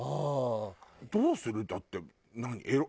どうする？だって。